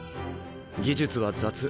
技術は雑。